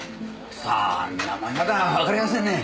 さあ名前まではわかりませんね。